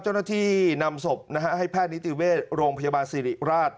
เจ้าหน้าที่นำศพให้แพทย์นิติเวชโรงพยาบาลสิริราช